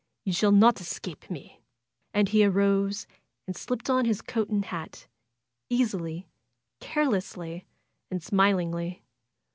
You shall not escape me !" And he arose and slipped on his coat and hat — easily, carelessly, and smilingly.